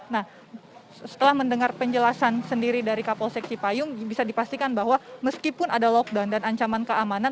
nah setelah mendengar penjelasan sendiri dari kapolsek cipayung bisa dipastikan bahwa meskipun ada lockdown dan ancaman keamanan